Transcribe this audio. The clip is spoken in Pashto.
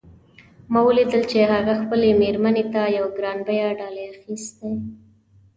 ما ولیدل چې هغه خپلې میرمن ته یوه ګران بیه ډالۍ اخیستې